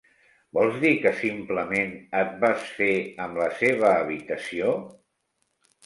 Vols dir que simplement et vas fer amb la seva habitació?